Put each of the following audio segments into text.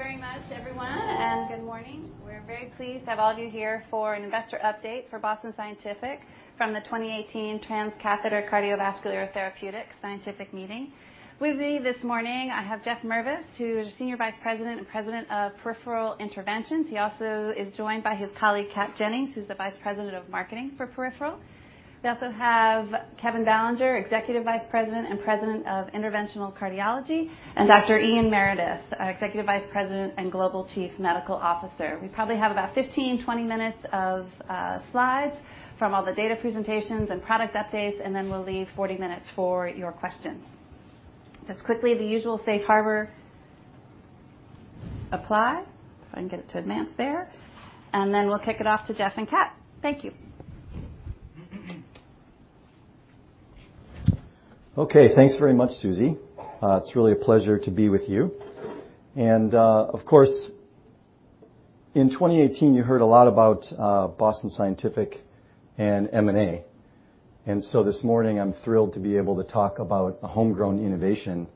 All right, great. Thank you very much, everyone, and good morning. We're very pleased to have all of you here for an investor update for Boston Scientific from the 2018 Transcatheter Cardiovascular Therapeutics scientific meeting. With me this morning, I have Jeff Mirviss, who's Senior Vice President and President of Peripheral Interventions. He also is joined by his colleague, Kat Jennings, who's the Vice President of Marketing for Peripheral. We also have Kevin Ballinger, Executive Vice President and President of Interventional Cardiology, and Dr. Ian Meredith, our Executive Vice President and Global Chief Medical Officer. We probably have about 15, 20 minutes of slides from all the data presentations and product updates, then we'll leave 40 minutes for your questions. Just quickly, the usual safe harbor apply. If I can get it to advance there. We'll kick it off to Jeff and Kat. Thank you. Okay. Thanks very much, Susie. It's really a pleasure to be with you. Of course, in 2018, you heard a lot about Boston Scientific and M&A. This morning, I'm thrilled to be able to talk about a homegrown innovation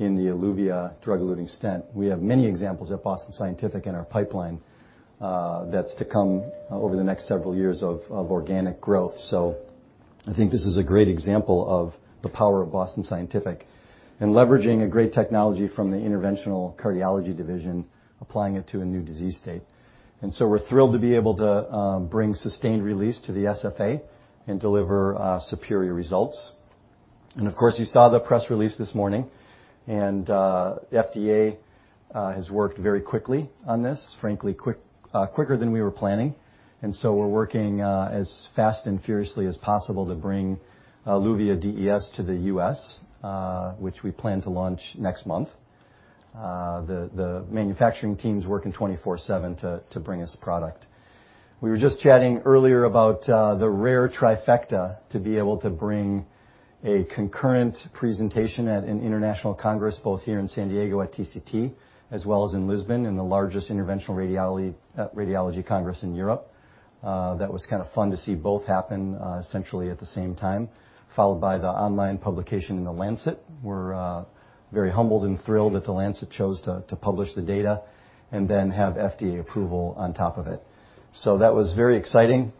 in the Eluvia drug-eluting stent. We have many examples at Boston Scientific in our pipeline, that's to come over the next several years of organic growth. I think this is a great example of the power of Boston Scientific in leveraging a great technology from the Interventional Cardiology division, applying it to a new disease state. We're thrilled to be able to bring sustained release to the SFA and deliver superior results. Of course, you saw the press release this morning, the FDA has worked very quickly on this, frankly, quicker than we were planning. We're working as fast and furiously as possible to bring Eluvia DES to the U.S., which we plan to launch next month. The manufacturing team's working 24/7 to bring us the product. We were just chatting earlier about the rare trifecta to be able to bring a concurrent presentation at an international congress, both here in San Diego at TCT, as well as in Lisbon, in the largest interventional radiology congress in Europe. That was kind of fun to see both happen essentially at the same time, followed by the online publication in "The Lancet." We're very humbled and thrilled that "The Lancet" chose to publish the data, then have FDA approval on top of it. That was very exciting.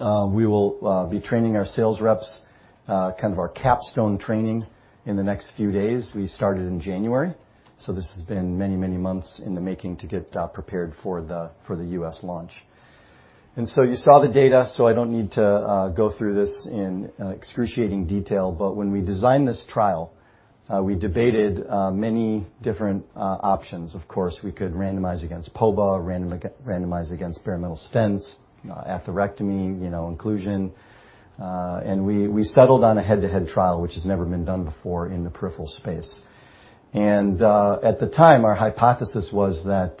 We will be training our sales reps, kind of our capstone training in the next few days. We started in January, so this has been many months in the making to get prepared for the U.S. launch. You saw the data, so I don't need to go through this in excruciating detail. When we designed this trial, we debated many different options. Of course, we could randomize against POBA, randomize against bare metal stents, atherectomy inclusion. We settled on a head-to-head trial, which has never been done before in the peripheral space. At the time, our hypothesis was that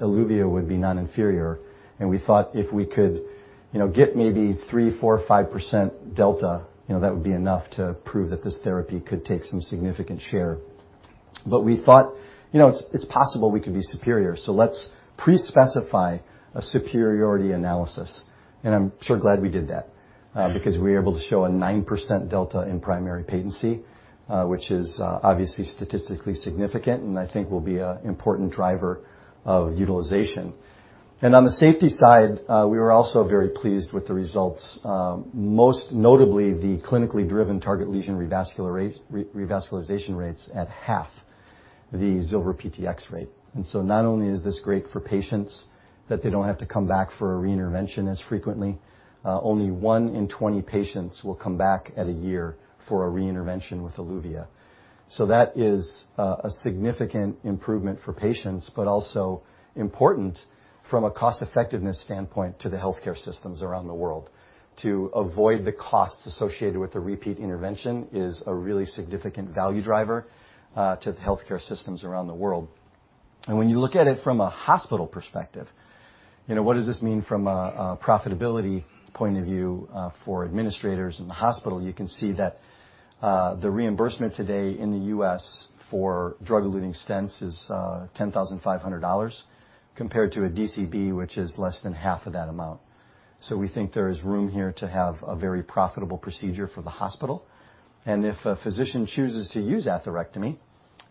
Eluvia would be non-inferior, and we thought if we could get maybe 3%, 4%, 5% delta, that would be enough to prove that this therapy could take some significant share. We thought, it's possible we could be superior, so let's pre-specify a superiority analysis. I'm sure glad we did that, because we were able to show a 9% delta in primary patency, which is obviously statistically significant and I think will be an important driver of utilization. On the safety side, we were also very pleased with the results. Most notably, the clinically driven target lesion revascularization rates at half the Zilver PTX rate. Not only is this great for patients that they don't have to come back for a reintervention as frequently, only one in 20 patients will come back at a year for a reintervention with Eluvia. That is a significant improvement for patients, but also important from a cost effectiveness standpoint to the healthcare systems around the world. To avoid the costs associated with a repeat intervention is a really significant value driver to the healthcare systems around the world. When you look at it from a hospital perspective, what does this mean from a profitability point of view for administrators in the hospital? You can see that the reimbursement today in the U.S. for drug-eluting stents is $10,500 compared to a DCB, which is less than half of that amount. We think there is room here to have a very profitable procedure for the hospital. If a physician chooses to use atherectomy,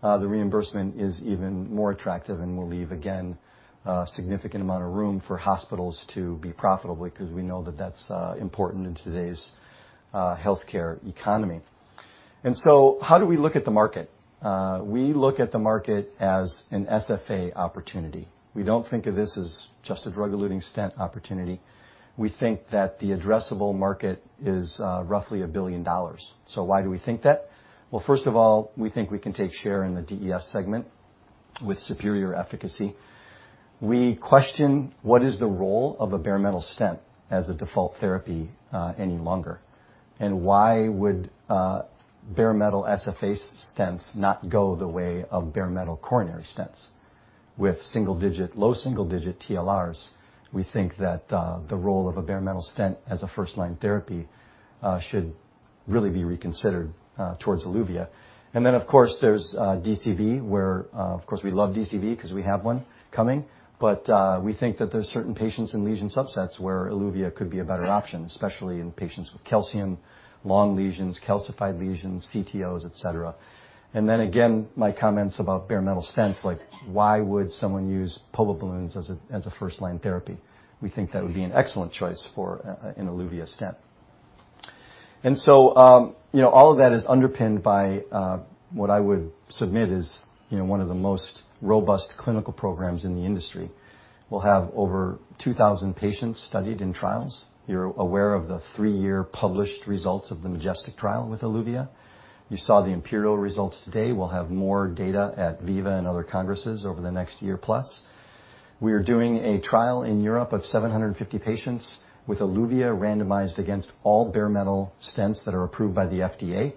the reimbursement is even more attractive and will leave, again, a significant amount of room for hospitals to be profitable because we know that that's important in today's healthcare economy. How do we look at the market? We look at the market as an SFA opportunity. We don't think of this as just a drug-eluting stent opportunity. We think that the addressable market is roughly $1 billion. Why do we think that? Well, first of all, we think we can take share in the DES segment with superior efficacy. We question what is the role of a bare metal stent as a default therapy any longer, and why would bare metal SFA stents not go the way of bare metal coronary stents? With low single-digit TLRs, we think that the role of a bare metal stent as a first-line therapy should really be reconsidered towards Eluvia. Of course, there's DCB, where, of course, we love DCB because we have one coming, but we think that there's certain patients and lesion subsets where Eluvia could be a better option, especially in patients with calcium, long lesions, calcified lesions, CTOs, et cetera. Again, my comments about bare metal stents, like why would someone use plain old balloon angioplasty as a first-line therapy? We think that would be an excellent choice for an Eluvia stent. All of that is underpinned by what I would submit is one of the most robust clinical programs in the industry. We'll have over 2,000 patients studied in trials. You're aware of the 3-year published results of the MAJESTIC trial with Eluvia. You saw the IMPERIAL results today. We'll have more data at VIVA and other congresses over the next year-plus. We are doing a trial in Europe of 750 patients with Eluvia randomized against all bare metal stents that are approved by the FDA,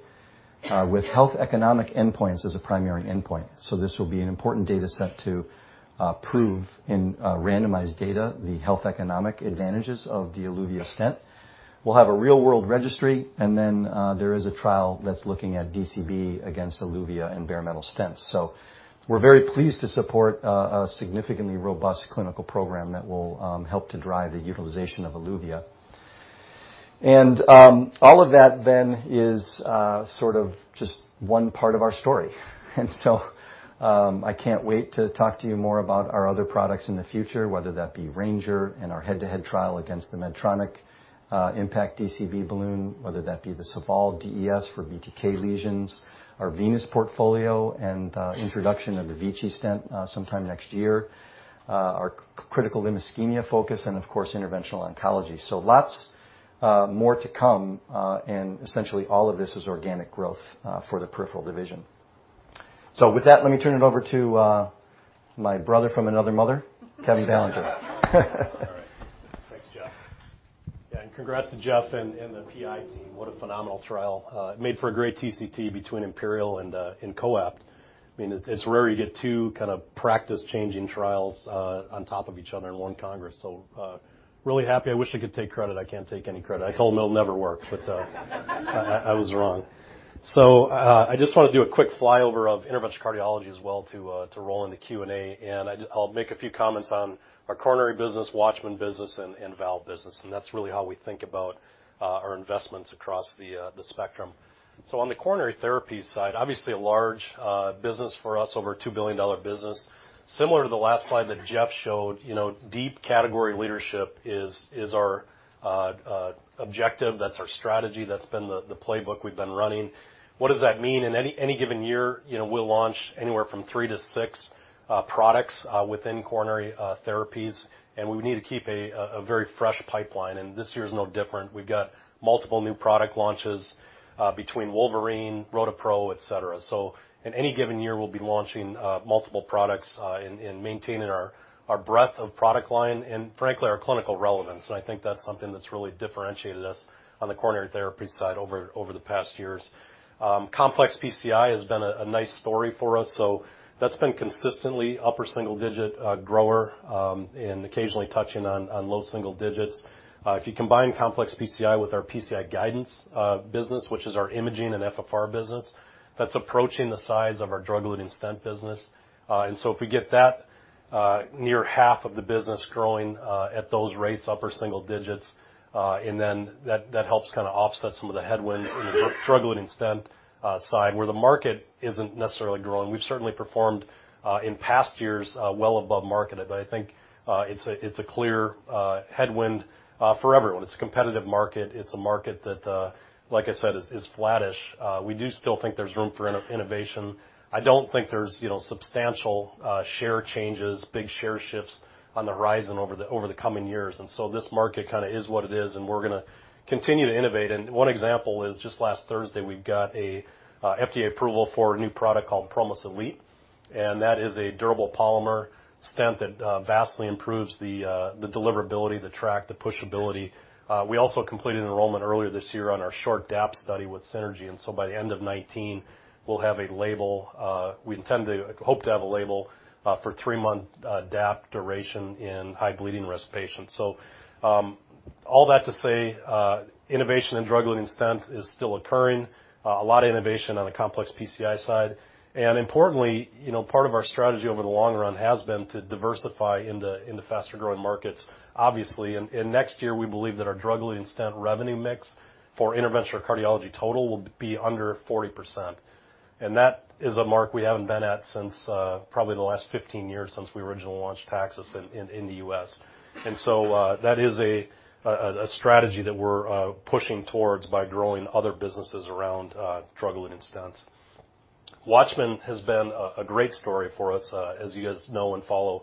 with health economic endpoints as a primary endpoint. So this will be an important data set to prove in randomized data the health economic advantages of the Eluvia stent. We'll have a real-world registry, and then there is a trial that's looking at DCB against Eluvia and bare metal stents. We're very pleased to support a significantly robust clinical program that will help to drive the utilization of Eluvia. All of that then is sort of just one part of our story. I can't wait to talk to you more about our other products in the future, whether that be Ranger and our head-to-head trial against the Medtronic IN.PACT DCB balloon, whether that be the Saval DES for BTK lesions, our venous portfolio, and the introduction of the VICI stent sometime next year, our critical limb ischemia focus, and of course, interventional oncology. Lots more to come, and essentially all of this is organic growth for the peripheral division. With that, let me turn it over to my brother from another mother, Kevin Ballinger. All right. Thanks, Jeff. Congrats to Jeff and the PI team. What a phenomenal trial. It made for a great TCT between IMPERIAL and COAPT. It's rare you get two kind of practice-changing trials on top of each other in one congress. Really happy. I wish I could take credit. I can't take any credit. I told him it'll never work. I was wrong. I just want to do a quick flyover of interventional cardiology as well to roll into Q&A, and I'll make a few comments on our coronary business, WATCHMAN business, and valve business. That's really how we think about our investments across the spectrum. On the coronary therapy side, obviously a large business for us, over a $2 billion business. Similar to the last slide that Jeff showed, deep category leadership is our objective. That's our strategy. That's been the playbook we've been running. What does that mean? In any given year, we'll launch anywhere from three to six products within coronary therapies, and we need to keep a very fresh pipeline, and this year is no different. We've got multiple new product launches between Wolverine, ROTAPRO, et cetera. In any given year, we'll be launching multiple products and maintaining our breadth of product line and frankly, our clinical relevance. I think that's something that's really differentiated us on the coronary therapy side over the past years. Complex PCI has been a nice story for us, that's been consistently upper single-digit grower, and occasionally touching on low single digits. If you combine complex PCI with our PCI guidance business, which is our imaging and FFR business, that's approaching the size of our drug-eluting stent business. If we get that near half of the business growing at those rates, upper single digits, and then that helps kind of offset some of the headwinds in the drug-eluting stent side, where the market isn't necessarily growing. We've certainly performed in past years well above market, I think it's a clear headwind for everyone. It's a competitive market. It's a market that, like I said, is flattish. We do still think there's room for innovation. I don't think there's substantial share changes, big share shifts on the horizon over the coming years. This market kind of is what it is, and we're going to continue to innovate. One example is just last Thursday, we got a FDA approval for a new product called Promus ELITE, and that is a durable polymer stent that vastly improves the deliverability, the track, the pushability. We also completed enrollment earlier this year on our short DAPT study with SYNERGY. By the end of 2019, we hope to have a label for three-month DAPT duration in high bleeding risk patients. All that to say, innovation in drug-eluting stent is still occurring. A lot of innovation on the complex PCI side. Importantly, part of our strategy over the long run has been to diversify in the faster-growing markets, obviously. Next year, we believe that our drug-eluting stent revenue mix for interventional cardiology total will be under 40%. That is a mark we haven't been at since probably the last 15 years, since we originally launched TAXUS in the U.S. That is a strategy that we're pushing towards by growing other businesses around drug-eluting stents. WATCHMAN has been a great story for us, as you guys know and follow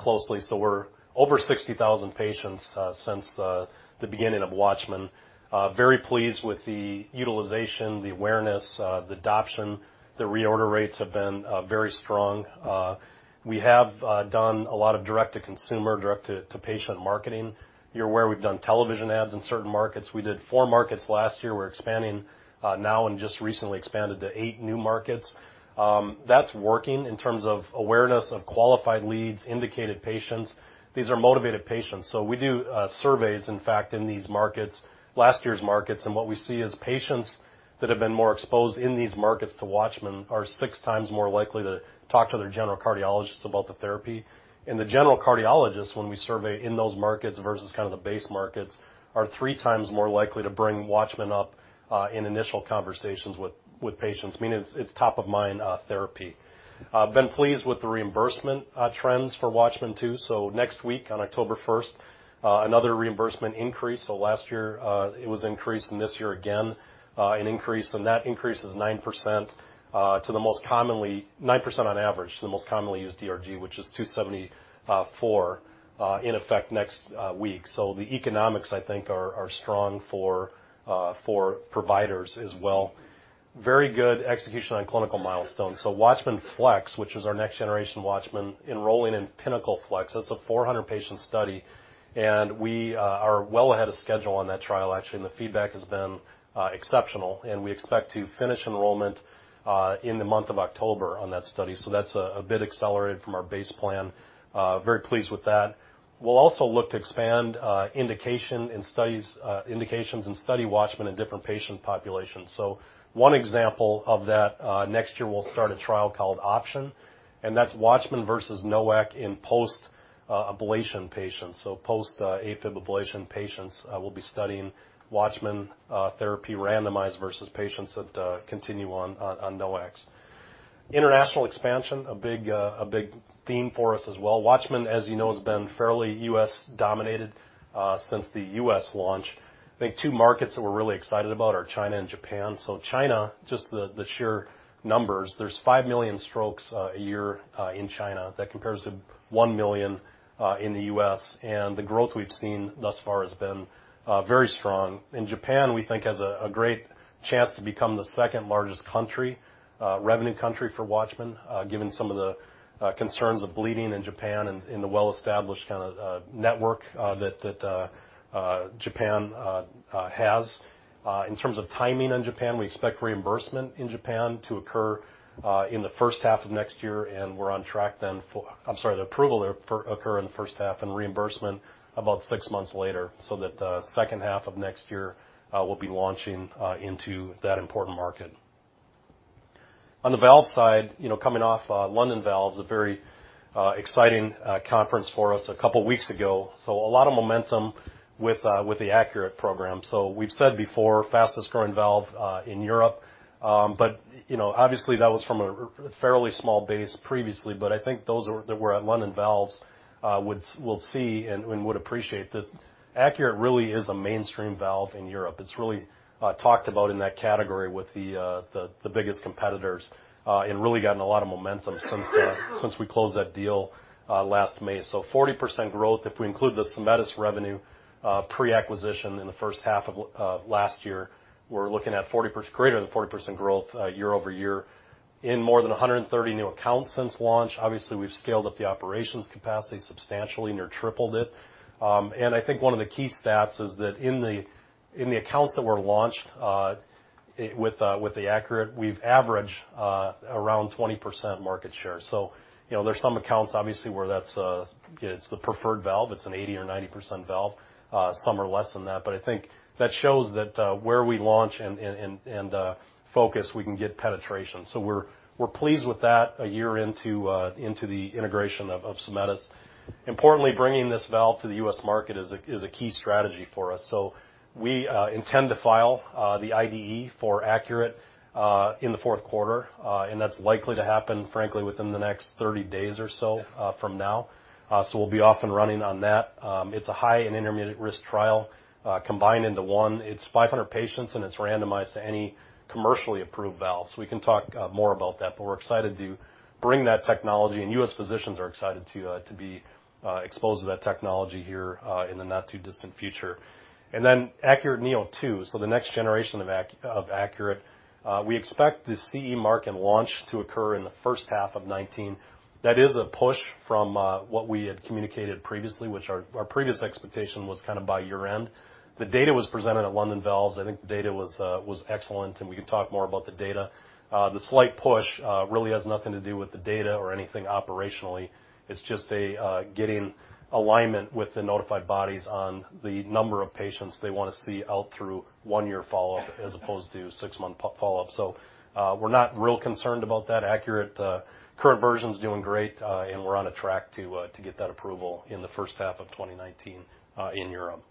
closely. We're over 60,000 patients since the beginning of WATCHMAN. Very pleased with the utilization, the awareness, the adoption. The reorder rates have been very strong. We have done a lot of direct-to-consumer, direct-to-patient marketing. You're aware we've done television ads in certain markets. We did four markets last year. We're expanding now and just recently expanded to eight new markets. That's working in terms of awareness of qualified leads, indicated patients. These are motivated patients. We do surveys, in fact, in these markets, last year's markets, and what we see is patients that have been more exposed in these markets to WATCHMAN are six times more likely to talk to their general cardiologist about the therapy. The general cardiologist, when we survey in those markets versus the base markets, are three times more likely to bring WATCHMAN up in initial conversations with patients, meaning it's top-of-mind therapy. Been pleased with the reimbursement trends for WATCHMAN, too. Next week, on October 1st, another reimbursement increase. Last year, it was increased, and this year again an increase. That increase is 9% on average to the most commonly used DRG, which is DRG 274, in effect next week. The economics, I think, are strong for providers as well. Very good execution on clinical milestones. WATCHMAN FLX, which is our next-generation WATCHMAN, enrolling in PINNACLE FLX. That's a 400-patient study, and we are well ahead of schedule on that trial, actually, and the feedback has been exceptional, and we expect to finish enrollment in the month of October on that study. That's a bit accelerated from our base plan. Very pleased with that. We'll also look to expand indications and study WATCHMAN in different patient populations. One example of that, next year we'll start a trial called OPTION, and that's WATCHMAN versus NOAC in post-ablation patients. Post AFib ablation patients will be studying WATCHMAN therapy randomized versus patients that continue on NOACs. International expansion, a big theme for us as well. WATCHMAN, as you know, has been fairly U.S.-dominated since the U.S. launch. I think two markets that we're really excited about are China and Japan. China, just the sheer numbers, there's five million strokes a year in China. That compares to one million in the U.S., and the growth we've seen thus far has been very strong. Japan, we think, has a great chance to become the second-largest revenue country for WATCHMAN, given some of the concerns of bleeding in Japan and the well-established kind of network that Japan has. In terms of timing on Japan, we expect reimbursement in Japan to occur in the first half of next year, the approval to occur in the first half and reimbursement about 6 months later, so that the second half of next year, we'll be launching into that important market. Coming off PCR London Valves, a very exciting conference for us a couple of weeks ago. A lot of momentum with the ACURATE program. We've said before, fastest-growing valve in Europe. Obviously, that was from a fairly small base previously. I think those that were at PCR London Valves will see and would appreciate that ACURATE really is a mainstream valve in Europe. It's really talked about in that category with the biggest competitors and really gotten a lot of momentum since we closed that deal last May. 40% growth. If we include the Symetis revenue pre-acquisition in the first half of last year, we're looking at greater than 40% growth year-over-year in more than 130 new accounts since launch. Obviously, we've scaled up the operations capacity substantially, near tripled it. I think one of the key stats is that in the accounts that were launched with the ACURATE, we've averaged around 20% market share. There's some accounts, obviously, where that's the preferred valve. It's an 80% or 90% valve. Some are less than that. I think that shows that where we launch and focus, we can get penetration. We're pleased with that a year into the integration of Symetis. Importantly, bringing this valve to the U.S. market is a key strategy for us. We intend to file the IDE for ACURATE in the fourth quarter, and that's likely to happen, frankly, within the next 30 days or so from now. We'll be off and running on that. It's a high and intermediate risk trial combined into one. It's 500 patients, and it's randomized to any commercially approved valve. We can talk more about that, but we're excited to bring that technology, and U.S. physicians are excited to be exposed to that technology here in the not-too-distant future. ACURATE neo2, the next generation of ACURATE. We expect the CE mark and launch to occur in the first half of 2019. That is a push from what we had communicated previously, which our previous expectation was by year-end. The data was presented at PCR London Valves. I think the data was excellent, and we can talk more about the data. The slight push really has nothing to do with the data or anything operationally. It's just getting alignment with the notified bodies on the number of patients they want to see out through one-year follow-up as opposed to six-month follow-up. We're not real concerned about that. ACURATE current version's doing great, and we're on a track to get that approval in the first half of 2019 in Europe.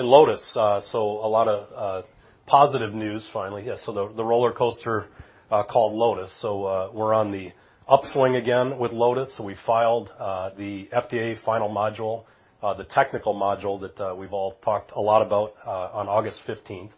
Lotus. A lot of positive news finally. Yes, the rollercoaster called Lotus. We're on the upswing again with Lotus. We filed the FDA final module, the technical module that we've all talked a lot about, on August 15th.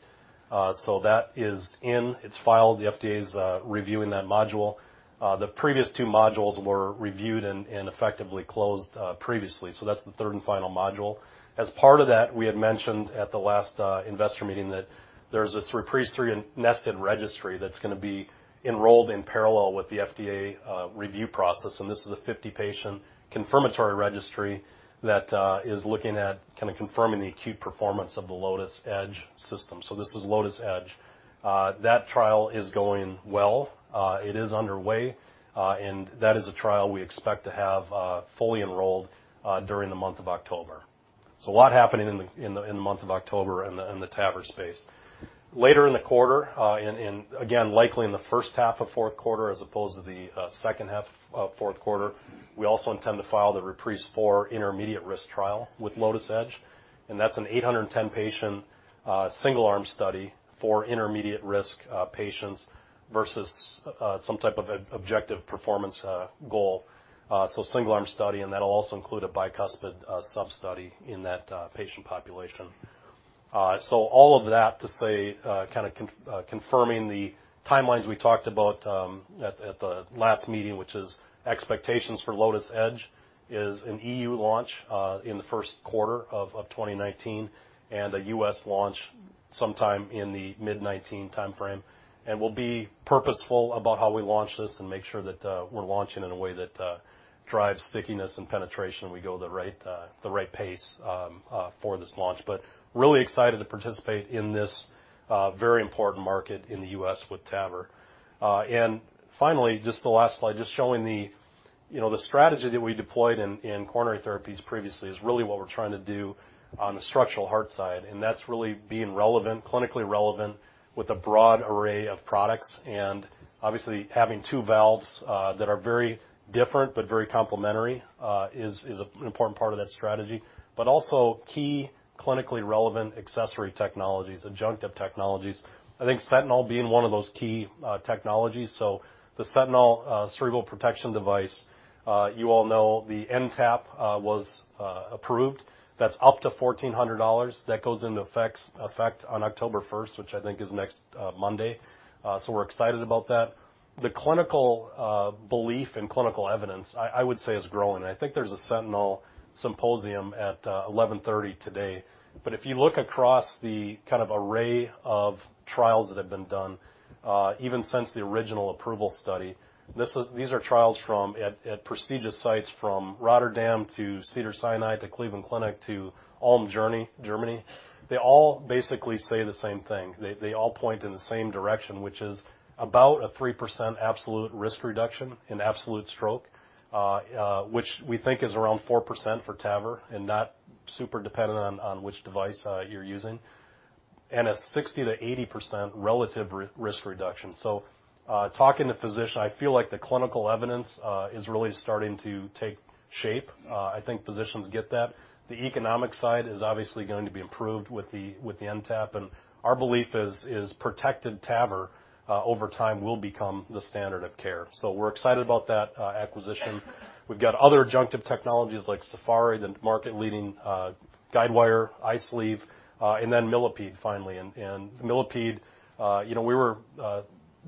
That is in, it's filed. The FDA is reviewing that module. The previous two modules were reviewed and effectively closed previously. That's the third and final module. As part of that, we had mentioned at the last investor meeting that there's this REPRISE III nested registry that's going to be enrolled in parallel with the FDA review process, and this is a 50-patient confirmatory registry that is looking at kind of confirming the acute performance of the Lotus Edge system. This is Lotus Edge. That trial is going well. It is underway, and that is a trial we expect to have fully enrolled during the month of October. A lot happening in the month of October in the TAVR space. Later in the quarter, again, likely in the first half of fourth quarter as opposed to the second half of fourth quarter, we also intend to file the REPRISE IV intermediate risk trial with Lotus Edge, and that's an 810-patient, single-arm study for intermediate-risk patients versus some type of objective performance goal. Single-arm study, and that'll also include a bicuspid sub-study in that patient population. All of that to say, kind of confirming the timelines we talked about at the last meeting, which is expectations for Lotus Edge is an EU launch in the first quarter of 2019 and a U.S. launch sometime in the mid 2019 timeframe. We'll be purposeful about how we launch this and make sure that we're launching in a way that drives stickiness and penetration, and we go the right pace for this launch. Really excited to participate in this very important market in the U.S. with TAVR. Finally, just the last slide, just showing the strategy that we deployed in coronary therapies previously is really what we're trying to do on the structural heart side, and that's really being relevant, clinically relevant with a broad array of products. Obviously having two valves that are very different but very complementary is an important part of that strategy. Also key clinically relevant accessory technologies, adjunctive technologies. I think Sentinel being one of those key technologies. The Sentinel cerebral protection device, you all know the NTAP was approved. That's up to $1,400. That goes into effect on October 1st, which I think is next Monday. We're excited about that. The clinical belief and clinical evidence, I would say, is growing. I think there's a Sentinel symposium at 11:30 today. If you look across the kind of array of trials that have been done, even since the original approval study, these are trials from at prestigious sites from Rotterdam to Cedars-Sinai to Cleveland Clinic to Ulm, Germany. They all basically say the same thing. They all point in the same direction, which is about a 3% absolute risk reduction in absolute stroke, which we think is around 4% for TAVR and not super dependent on which device you're using, and a 60%-80% relative risk reduction. Talking to physicians, I feel like the clinical evidence is really starting to take shape. I think physicians get that. The economic side is obviously going to be improved with the NTAP, and our belief is protected TAVR over time will become the standard of care. We're excited about that acquisition. We've got other adjunctive technologies like SAFARI, the market-leading guidewire, VISUAL ICE, and then Millipede, finally. Millipede, we were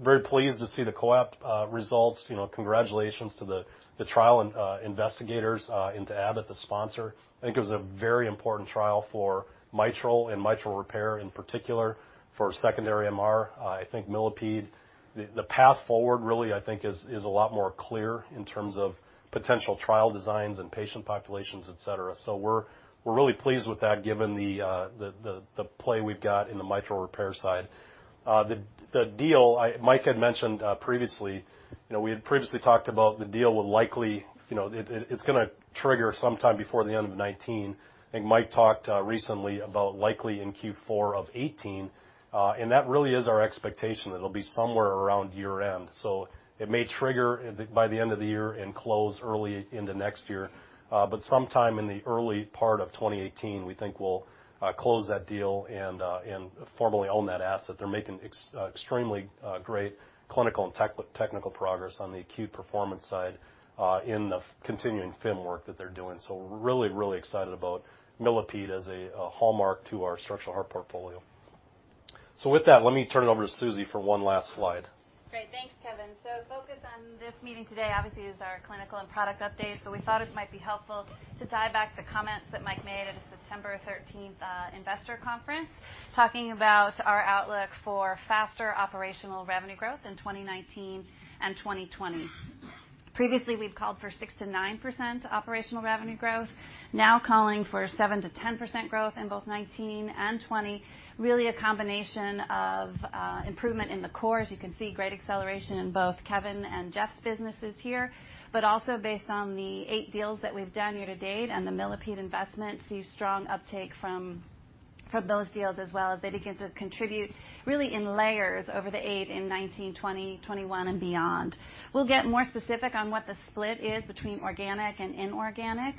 very pleased to see the COAPT results. Congratulations to the trial investigators and to Abbott, the sponsor. I think it was a very important trial for mitral and mitral repair, in particular for secondary MR. I think Millipede, the path forward really, I think, is a lot more clear in terms of potential trial designs and patient populations, et cetera. We're really pleased with that given the play we've got in the mitral repair side. The deal, Mike had mentioned previously, we had talked about the deal would likely trigger sometime before the end of 2019. I think Mike talked recently about likely in Q4 of 2018, and that really is our expectation, that it'll be somewhere around year-end. It may trigger by the end of the year and close early into next year. But sometime in the early part of 2019, we think we'll close that deal and formally own that asset. They're making extremely great clinical and technical progress on the acute performance side in the continuing FIM work that they're doing. Really, really excited about Millipede as a hallmark to our structural heart portfolio. With that, let me turn it over to Susie for one last slide. Great. Thanks, Kevin. The focus on this meeting today obviously is our clinical and product updates. We thought it might be helpful to tie back the comments that Mike made at his September 13th investor conference, talking about our outlook for faster operational revenue growth in 2019 and 2020. Previously, we've called for 6%-9% operational revenue growth, now calling for 7%-10% growth in both 2019 and 2020. Really a combination of improvement in the core, as you can see, great acceleration in both Kevin and Jeff's businesses here, but also based on the 8 deals that we've done year to date and the Millipede investment, see strong uptake from those deals as well as they begin to contribute really in layers over the years in 2019, 2020, 2021 and beyond. We'll get more specific on what the split is between organic and inorganic.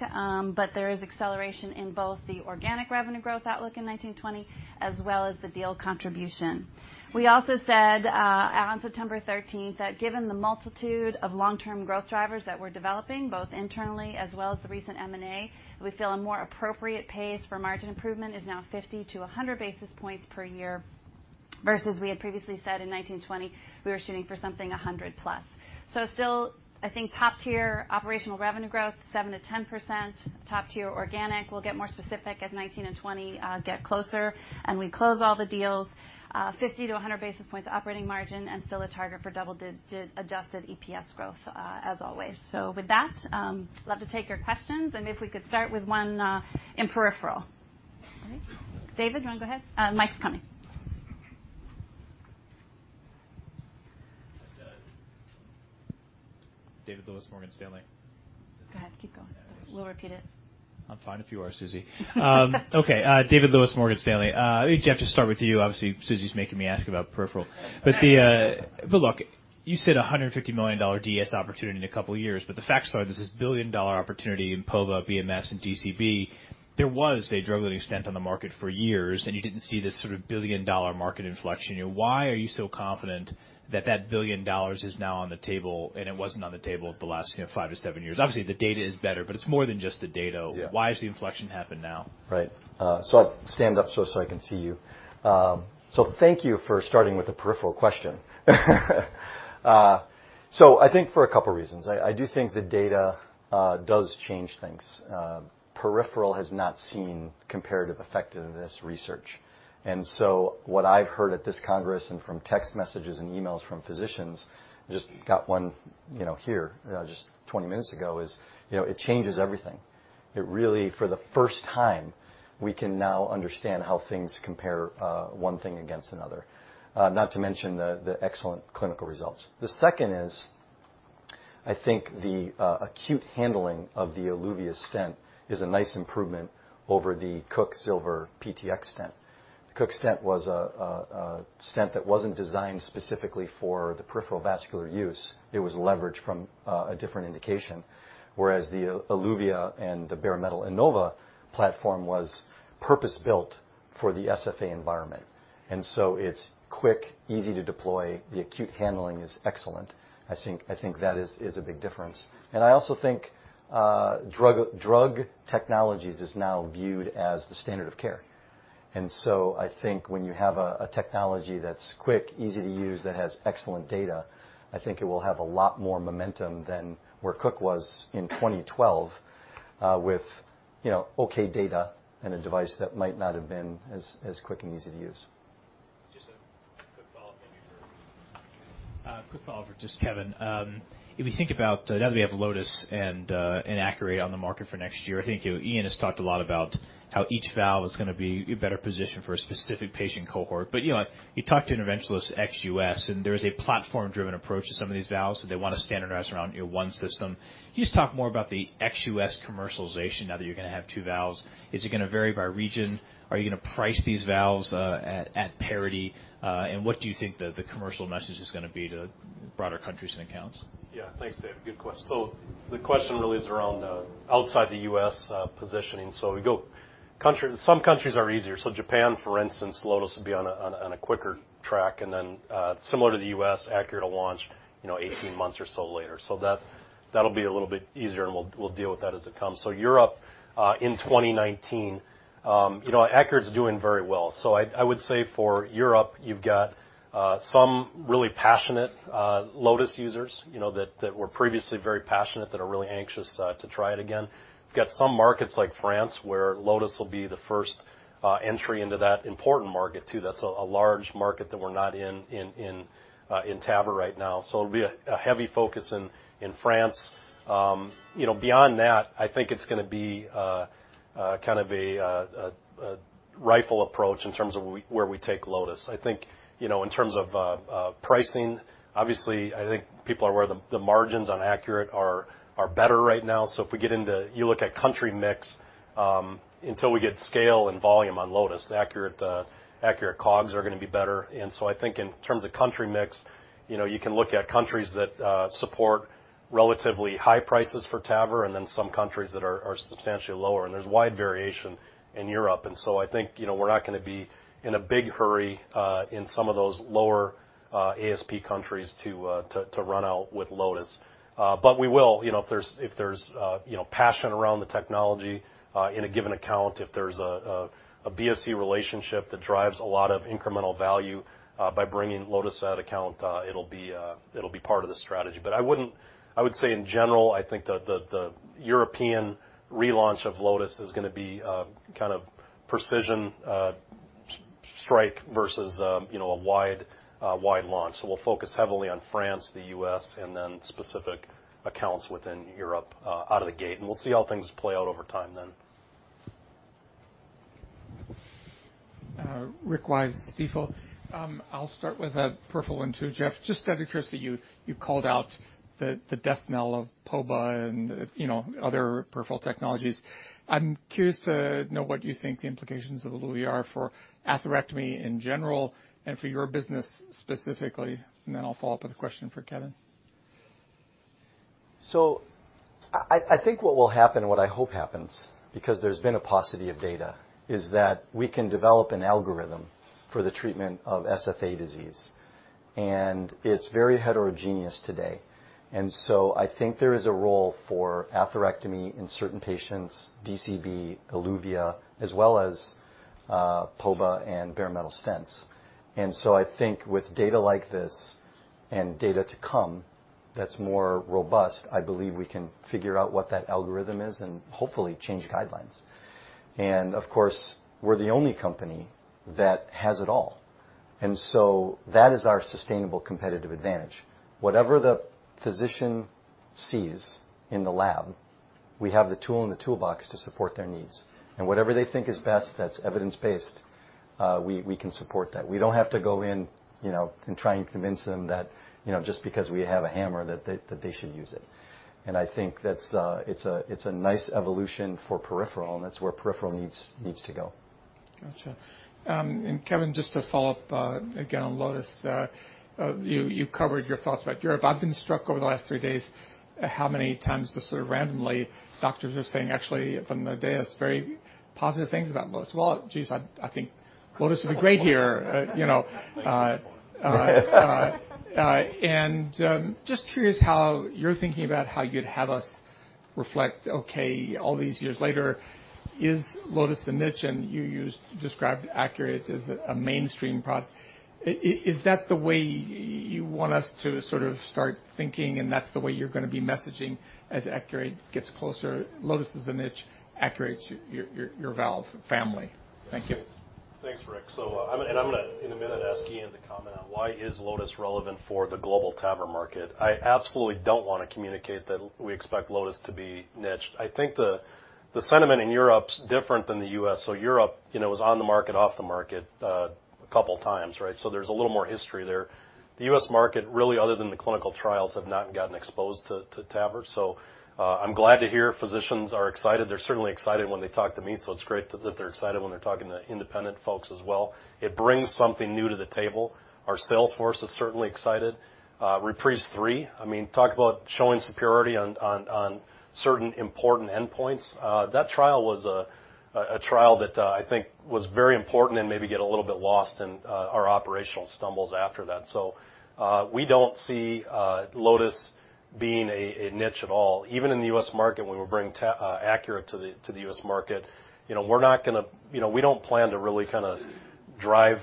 There is acceleration in both the organic revenue growth outlook in 2019, 2020 as well as the deal contribution. We also said on September 13th, that given the multitude of long-term growth drivers that we're developing, both internally as well as the recent M&A, we feel a more appropriate pace for margin improvement is now 50-100 basis points per year, versus we had previously said in 2019, 2020, we were shooting for something 100+. Still, I think top tier operational revenue growth 7%-10%, top tier organic. We'll get more specific as 2019 and 2020 get closer and we close all the deals. 50-100 basis points operating margin and still a target for double-digit adjusted EPS growth as always. With that, love to take your questions and if we could start with one in peripheral. David, you want to go ahead? Mic's coming. David Lewis, Morgan Stanley. Go ahead. Keep going. We'll repeat it. I'm fine if you are, Susie. Okay. David Lewis, Morgan Stanley. Jeff, just start with you, obviously, Susie's making me ask about peripheral. Look, you said $150 million DS opportunity in a couple of years, but the facts are there's this billion-dollar opportunity in POBA, BMS, and DCB. There was a drug-eluting stent on the market for years, and you didn't see this sort of billion-dollar market inflection. Why are you so confident that that billion dollars is now on the table and it wasn't on the table the last 5-7 years? Obviously, the data is better, but it's more than just the data. Yeah. Why is the inflection happen now? Right. I'll stand up so I can see you. Thank you for starting with a peripheral question. I think for a couple of reasons. I do think the data does change things. Peripheral has not seen comparative effectiveness research. What I've heard at this congress and from text messages and emails from physicians, just got one here just 20 minutes ago, is it changes everything. It really, for the first time, we can now understand how things compare one thing against another, not to mention the excellent clinical results. The second is, I think the acute handling of the Eluvia stent is a nice improvement over the Cook Zilver PTX stent. The Cook stent was a stent that wasn't designed specifically for the peripheral vascular use. It was leveraged from a different indication, whereas the Eluvia and the bare metal Innova platform was purpose-built for the SFA environment, it's quick, easy to deploy, the acute handling is excellent. I think that is a big difference. I also think drug technologies is now viewed as the standard of care. I think when you have a technology that's quick, easy to use, that has excellent data, I think it will have a lot more momentum than where Cook was in 2012 with okay data and a device that might not have been as quick and easy to use. Just a quick follow-up. Thank you. A quick follow-up for just Kevin. If you think about now that we have Lotus and ACURATE on the market for next year, I think Ian has talked a lot about how each valve is going to be a better position for a specific patient cohort. You talk to interventionalists ex-U.S., and there is a platform-driven approach to some of these valves, so they want to standardize around one system. Can you just talk more about the ex-U.S. commercialization now that you're going to have two valves? Is it going to vary by region? Are you going to price these valves at parity? What do you think the commercial message is going to be to broader countries and accounts? Yeah. Thanks, David. Good question. The question really is around outside the U.S. positioning. Some countries are easier. Japan, for instance, Lotus will be on a quicker track, and then similar to the U.S., ACURATE will launch 18 months or so later. That will be a little bit easier, and we will deal with that as it comes. Europe in 2019, ACURATE is doing very well. I would say for Europe, you have got some really passionate Lotus users that were previously very passionate that are really anxious to try it again. We have got some markets like France where Lotus will be the first entry into that important market too. That is a large market that we are not in TAVR right now. It will be a heavy focus in France. Beyond that, I think it is going to be a rifle approach in terms of where we take Lotus. I think in terms of pricing, obviously, I think people are aware the margins on ACURATE are better right now. If you look at country mix, until we get scale and volume on Lotus, ACURATE COGS are going to be better. I think in terms of country mix, you can look at countries that support relatively high prices for TAVR and then some countries that are substantially lower, and there is wide variation in Europe. I think we are not going to be in a big hurry in some of those lower ASP countries to run out with Lotus. We will if there is passion around the technology in a given account, if there is a BSC relationship that drives a lot of incremental value by bringing Lotus to that account it will be part of the strategy. I would say in general, I think the European relaunch of Lotus is going to be a kind of precision strike versus a wide launch. We will focus heavily on France, the U.S., and then specific accounts within Europe out of the gate. We will see how things play out over time then. Rick Wise, Stifel. I will start with a peripheral one too, Jeff. Just out of curiosity, you called out the death knell of POBA and other peripheral technologies. I am curious to know what you think the implications of Eluvia are for atherectomy in general and for your business specifically, and then I will follow up with a question for Kevin. I think what will happen, what I hope happens, because there's been a paucity of data, is that we can develop an algorithm for the treatment of SFA disease. It's very heterogeneous today. I think there is a role for atherectomy in certain patients, DCB, Eluvia, as well as POBA and bare metal stents. I think with data like this and data to come that's more robust, I believe we can figure out what that algorithm is and hopefully change guidelines. Of course, we're the only company that has it all, that is our sustainable competitive advantage. Whatever the physician sees in the lab, we have the tool in the toolbox to support their needs. Whatever they think is best that's evidence-based, we can support that. We don't have to go in, try and convince them that just because we have a hammer that they should use it. I think it's a nice evolution for peripheral, that's where peripheral needs to go. Got you. Kevin, just to follow up again on Lotus. You covered your thoughts about Europe. I've been struck over the last three days how many times just sort of randomly, doctors are saying, actually from the data, very positive things about Lotus. "Well, geez, I think Lotus would be great here." Just curious how you're thinking about how you'd have us reflect, okay, all these years later, is Lotus the niche? You described ACURATE as a mainstream product. Is that the way you want us to sort of start thinking and that's the way you're going to be messaging as ACURATE gets closer? Lotus is a niche, ACURATE your valve family. Thank you. Thanks, Rick. I'm going to, in a minute, ask Ian to comment on why is Lotus relevant for the global TAVR market. I absolutely don't want to communicate that we expect Lotus to be niched. I think the sentiment in Europe's different than the U.S. Europe was on the market, off the market a couple of times, right? There's a little more history there. The U.S. market, really, other than the clinical trials, have not gotten exposed to TAVR. I'm glad to hear physicians are excited. They're certainly excited when they talk to me, so it's great that they're excited when they're talking to independent folks as well. It brings something new to the table. Our sales force is certainly excited. REPRISE III, talk about showing superiority on certain important endpoints. That trial was a trial that I think was very important and maybe get a little bit lost in our operational stumbles after that. We don't see Lotus being a niche at all. Even in the U.S. market, when we bring ACURATE to the U.S. market, we don't plan to really kind of drive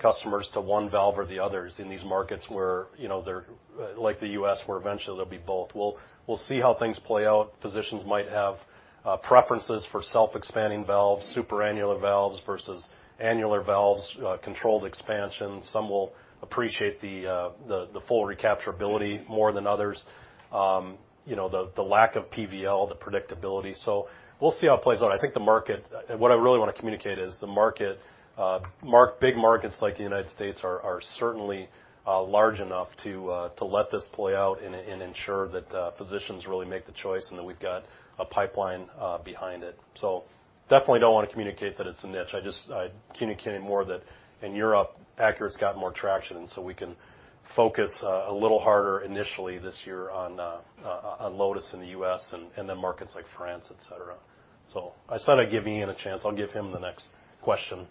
customers to one valve or the others in these markets like the U.S., where eventually there'll be both. We'll see how things play out. Physicians might have preferences for self-expanding valves, superannular valves versus annular valves, controlled expansion. Some will appreciate the full recapturability more than others. The lack of PVL, the predictability. We'll see how it plays out. What I really want to communicate is the market. Big markets like the United States are certainly large enough to let this play out and ensure that physicians really make the choice, and that we've got a pipeline behind it. Definitely don't want to communicate that it's a niche. I'm communicating more that in Europe, ACURATE's got more traction. We can focus a little harder initially this year on Lotus in the U.S. and the markets like France, et cetera. I said I'd give Ian a chance. I'll give him the next question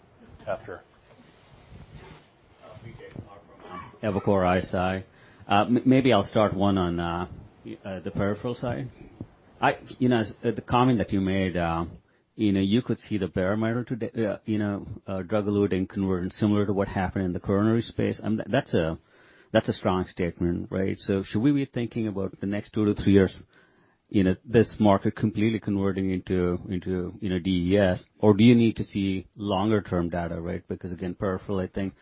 after. Vijay Kumar from Evercore ISI. Then I'll start one on the peripheral side. The comment that you made, you could see the bare metal drug-eluting conversion similar to what happened in the coronary space. That's a strong statement, right? Should we be thinking about the next two to three years, this market completely converting into DES? Or do you need to see longer term data, right? Because again, peripheral, I think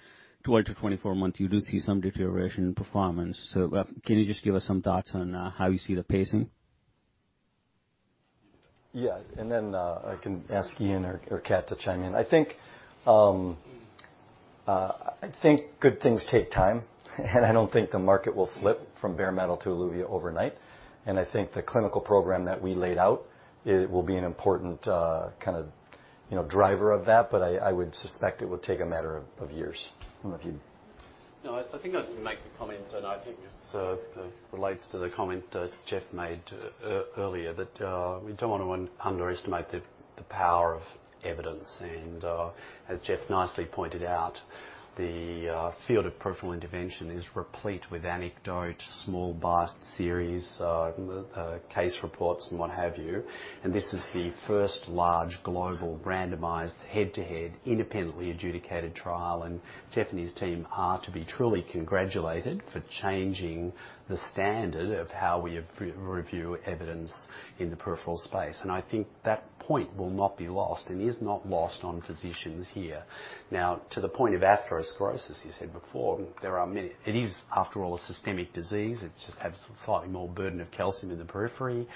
12 to 24 months, you do see some deterioration in performance. Can you just give us some thoughts on how you see the pacing? Yeah. Then I can ask Ian or Kat to chime in. I think good things take time, and I don't think the market will flip from bare metal to Eluvia overnight. I think the clinical program that we laid out will be an important kind of driver of that, but I would suspect it would take a matter of years. I don't know if you No, I think I'd make the comment, and I think this relates to the comment that Jeff made earlier, that we don't want to underestimate the power of evidence. As Jeff nicely pointed out, the field of peripheral intervention is replete with anecdote, small biased series, case reports, and what have you. This is the first large global randomized head-to-head independently adjudicated trial, and Jeff and his team are to be truly congratulated for changing the standard of how we review evidence in the peripheral space. I think that point will not be lost and is not lost on physicians here. Now, to the point of atherosclerosis, you said before, it is, after all, a systemic disease. It just has slightly more burden of calcium in the periphery.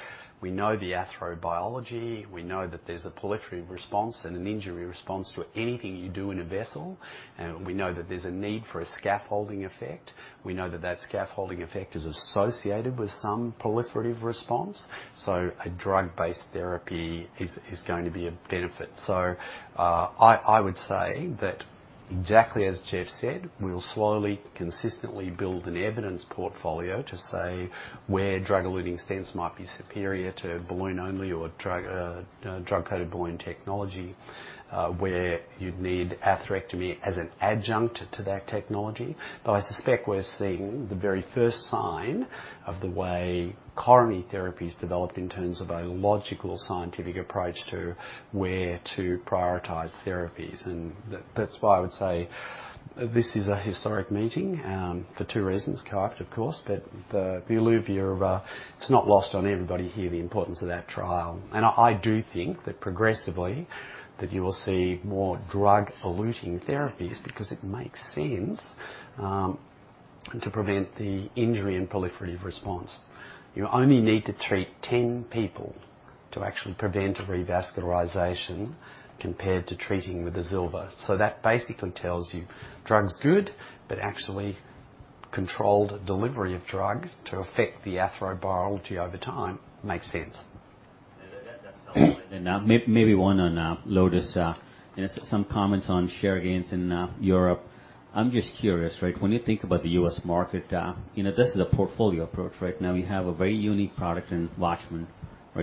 We know the atherobiology. We know that there's a proliferative response and an injury response to anything you do in a vessel. We know that there's a need for a scaffolding effect. We know that that scaffolding effect is associated with some proliferative response. A drug-based therapy is going to be a benefit. I would say exactly as Jeff said, we will slowly, consistently build an evidence portfolio to say where drug-eluting stents might be superior to balloon-only or drug-coated balloon technology, where you'd need atherectomy as an adjunct to that technology. I suspect we're seeing the very first sign of the way coronary therapy is developed in terms of a logical scientific approach to where to prioritize therapies. That's why I would say this is a historic meeting for 2 reasons, COAPT, of course, that the Eluvia, it's not lost on everybody here the importance of that trial. I do think that progressively, that you will see more drug-eluting therapies because it makes sense to prevent the injury and proliferative response. You only need to treat 10 people to actually prevent revascularization compared to treating with a Zilver. That basically tells you drug's good, but actually controlled delivery of drug to affect the atherobiology over time makes sense. That's helpful. Maybe one on Lotus. Some comments on share gains in Europe. I'm just curious, when you think about the U.S. market, this is a portfolio approach. Right now, you have a very unique product in WATCHMAN.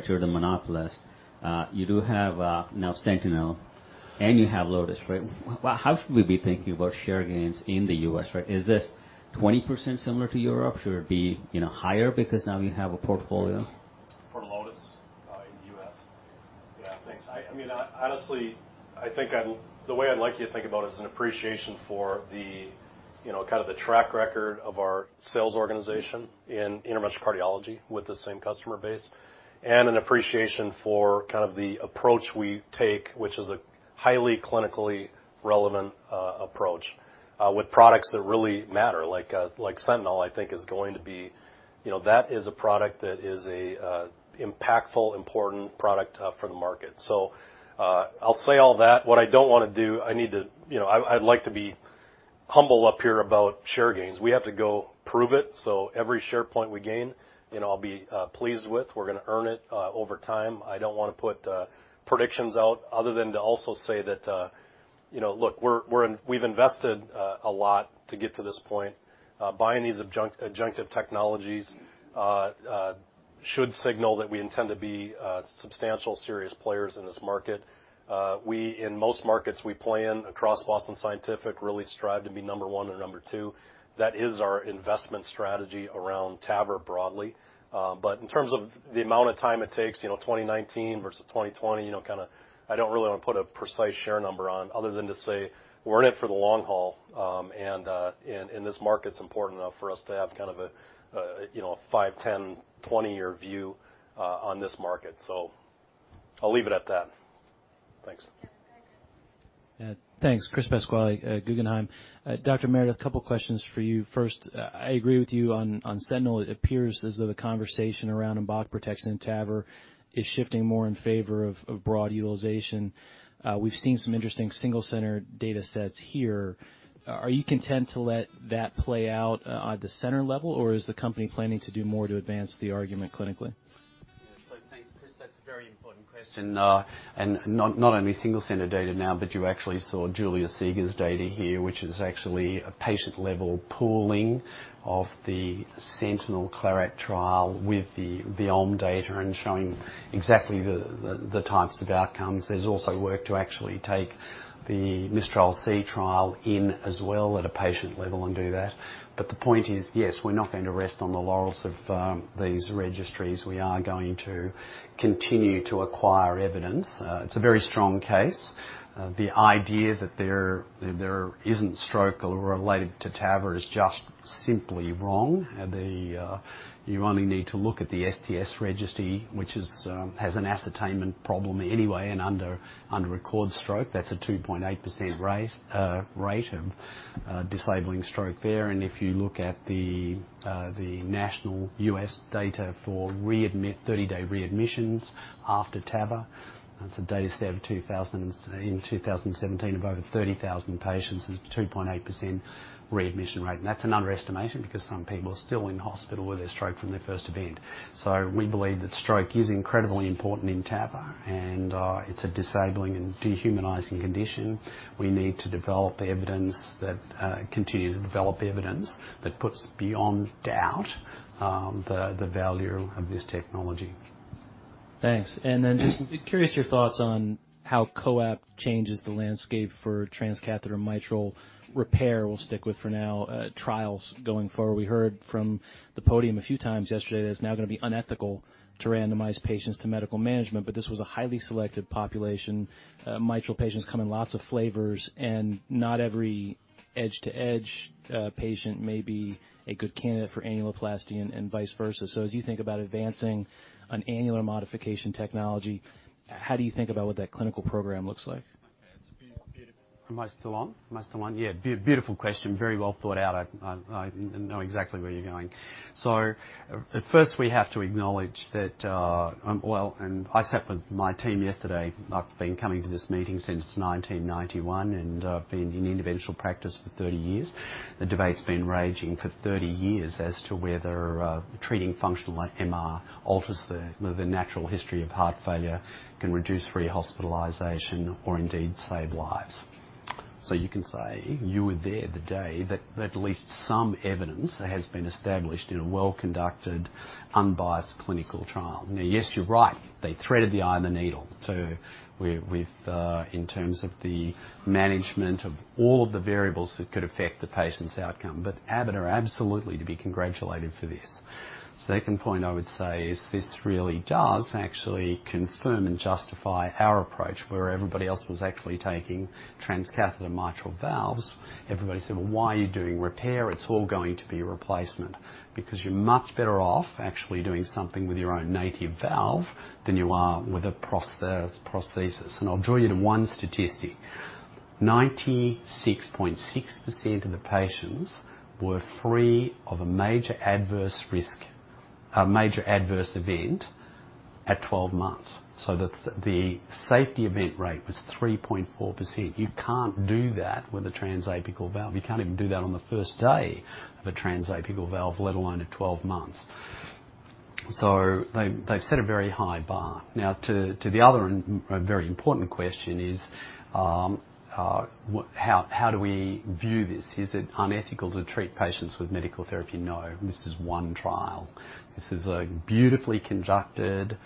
You're the monopolist. You do have now SENTINEL, and you have Lotus, right? How should we be thinking about share gains in the U.S.? Is this 20% similar to Europe? Should it be higher because now you have a portfolio? For Lotus in the U.S. Yeah, thanks. Honestly, I think the way I'd like you to think about it is an appreciation for the kind of the track record of our sales organization in interventional cardiology with the same customer base, and an appreciation for the approach we take, which is a highly clinically relevant approach, with products that really matter. Like SENTINEL, I think is going to be. That is a product that is an impactful, important product for the market. I'll say all that. What I don't want to do, I'd like to be humble up here about share gains. We have to go prove it. Every share point we gain, I'll be pleased with. We're going to earn it over time. I don't want to put predictions out other than to also say that, look, we've invested a lot to get to this point. Buying these adjunctive technologies should signal that we intend to be substantial, serious players in this market. In most markets we play in across Boston Scientific, really strive to be number 1 or number 2. That is our investment strategy around TAVR broadly. In terms of the amount of time it takes, 2019 versus 2020, I don't really want to put a precise share number on other than to say we're in it for the long haul. This market's important enough for us to have a 5, 10, 20-year view on this market. I'll leave it at that. Thanks. Yeah. Thanks. Yeah. Thanks. Chris Pasquale at Guggenheim. Dr. Meredith, a couple questions for you. First, I agree with you on SENTINEL. It appears as though the conversation around embolus protection and TAVR is shifting more in favor of broad utilization. We've seen some interesting single-center data sets here. Are you content to let that play out at the center level, or is the company planning to do more to advance the argument clinically? Thanks, Chris. That's a very important question. Not only single center data now, but you actually saw Julia Seeger's data here, which is actually a patient-level pooling of the SENTINEL Claret Trial with the OMM data and showing exactly the types of outcomes. There's also work to actually take the MISTRAL-C trial in as well at a patient level and do that. The point is, yes, we're not going to rest on the laurels of these registries. We are going to continue to acquire evidence. It's a very strong case. The idea that there isn't stroke related to TAVR is just simply wrong. You only need to look at the STS registry, which has an ascertainment problem anyway, and under-record stroke, that's a 2.8% rate of disabling stroke there. If you look at the national U.S. data for 30-day readmissions after TAVR, that's a data set in 2017 of over 30,000 patients, there's a 2.2% readmission rate. That's an underestimation because some people are still in hospital with a stroke from their first event. We believe that stroke is incredibly important in TAVR, and it's a disabling and dehumanizing condition. We need to continue to develop evidence that puts beyond doubt the value of this technology. Thanks. Just curious your thoughts on how COAPT changes the landscape for transcatheter mitral repair, we'll stick with for now, trials going forward. We heard from the podium a few times yesterday that it's now going to be unethical to randomize patients to medical management. This was a highly selected population. Mitral patients come in lots of flavors, and not every edge-to-edge patient may be a good candidate for angioplasty and vice versa. As you think about advancing an annular modification technology, how do you think about what that clinical program looks like? Okay. Am I still on? Am I still on? Beautiful question. Very well thought out. I know exactly where you're going. At first, we have to acknowledge that I sat with my team yesterday. I've been coming to this meeting since 1991, and I've been in interventional practice for 30 years. The debate's been raging for 30 years as to whether treating functional MR alters the natural history of heart failure can reduce rehospitalization or indeed save lives. You can say you were there the day that at least some evidence has been established in a well-conducted, unbiased clinical trial. Now, yes, you're right. They threaded the eye of the needle in terms of the management of all of the variables that could affect the patient's outcome. Abbott are absolutely to be congratulated for this. Second point I would say is this really does actually confirm and justify our approach, where everybody else was actually taking transcatheter mitral valves. Everybody said, "Well, why are you doing repair? It's all going to be replacement." You're much better off actually doing something with your own native valve than you are with a prosthesis. I'll draw you to one statistic. 96.6% of the patients were free of a major adverse event at 12 months. The safety event rate was 3.4%. You can't do that with a transapical valve. You can't even do that on the first day of a transapical valve, let alone at 12 months. They've set a very high bar. To the other and a very important question is, how do we view this? Is it unethical to treat patients with medical therapy? No. This is one trial. This is a beautifully conducted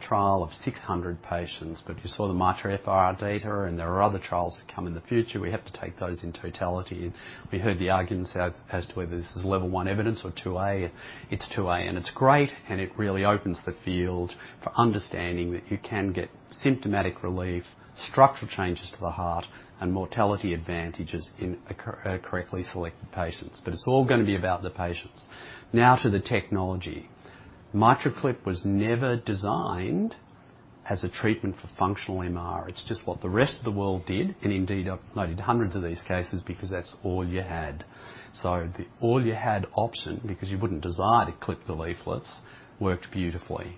trial of 600 patients. You saw the MITRA-FR data, and there are other trials that come in the future. We have to take those in totality, and we heard the arguments out as to whether this is level I evidence or IIa. It's IIa, and it's great, and it really opens the field for understanding that you can get symptomatic relief, structural changes to the heart, and mortality advantages in correctly selected patients. It's all going to be about the patients. To the technology. MitraClip was never designed as a treatment for functional MR. It's just what the rest of the world did, and indeed, I've loaded hundreds of these cases because that's all you had. The all you had option, because you wouldn't desire to clip the leaflets, worked beautifully.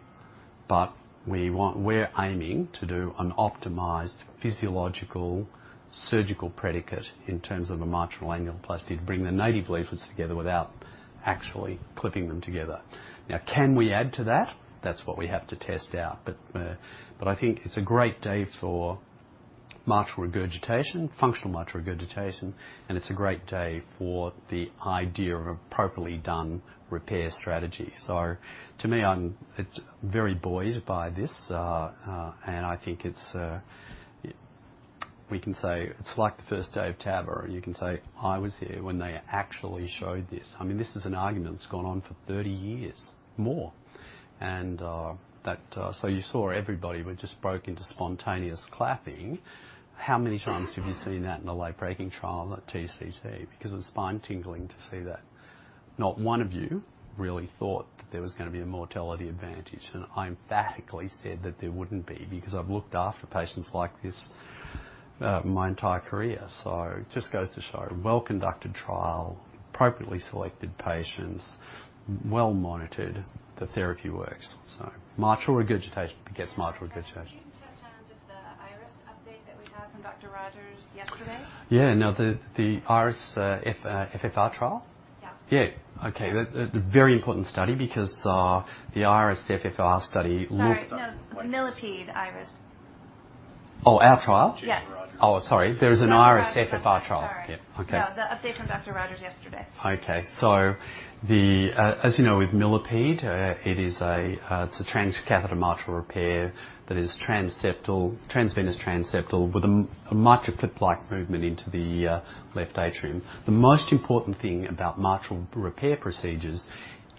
We're aiming to do an optimized physiological surgical predicate in terms of a mitral angioplasty to bring the native leaflets together without actually clipping them together. Can we add to that? That's what we have to test out. I think it's a great day for mitral regurgitation, functional mitral regurgitation, and it's a great day for the idea of a properly done repair strategy. To me, I'm very buoyed by this, and I think we can say it's like the first day of TAVR. You can say, "I was here when they actually showed this." This is an argument that's gone on for 30 years more. You saw everybody just broke into spontaneous clapping. How many times have you seen that in a late-breaking trial at TCT? It was spine-tingling to see that. Not one of you really thought that there was going to be a mortality advantage. I emphatically said that there wouldn't be, because I've looked after patients like this my entire career. It just goes to show a well-conducted trial, appropriately selected patients, well monitored, the therapy works. Mitral regurgitation begets mitral regurgitation. Can you touch on just the IRIS update that we had from Dr. Rogers yesterday? Yeah. No, the IRIS FFR trial? Yeah. Yeah. Okay. Very important study because the IRIS FFR study. Sorry. No. The Millipede IRIS. Oh, our trial? Yeah. Oh, sorry. There's an IRIS FFR trial. Sorry. Yeah. Okay. No, the update from Dr. Rogers yesterday. Okay. As you know, with Millipede, it's a transcatheter mitral repair that is transvenous transseptal with a MitraClip-like movement into the left atrium. The most important thing about mitral repair procedures